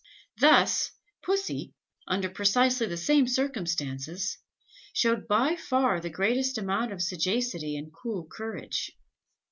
Thus, Pussy, under precisely the same circumstances, showed by far the greatest amount of sagacity and cool courage.